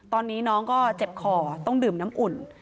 ตอนนี้น้องก็เจ็บคอต้องดื่มน้ำอุ่น